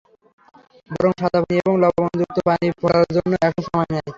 বরং সাদা পানি এবং লবণযুক্ত পানি ফোটার জন্য একই সময় নেয়।